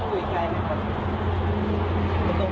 ขนต้นอยู่ไกลหรอครับ